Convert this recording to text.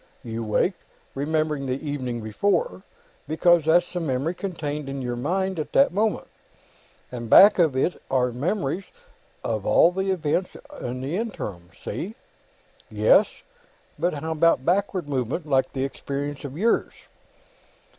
You wake, remembering the evening before, because that's the memory contained in your mind at that moment, and back of it are memories of all the events in the interim. See?" "Yes. But how about backward movement, like this experience of yours?"